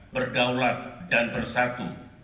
berdaulat dan bersatu